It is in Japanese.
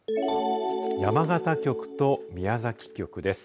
山形局と宮崎局です。